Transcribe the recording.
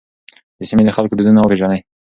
د سیمې د خلکو دودونه وپېژنئ.